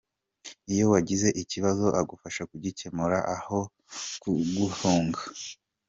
Iyo wagize ikibazo agufasha kugikemura aho kuguhunga.